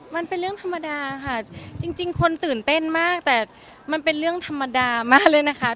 มันเป็นเรื่องธรรมดาค่ะจริงคนตื่นเต้นมากแต่มันเป็นเรื่องธรรมดามากเลยนะคะ